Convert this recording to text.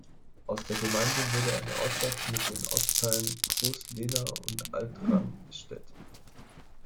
Aus der Gemeinde wurde eine "Ortschaft" mit den Ortsteilen Großlehna und Altranstädt.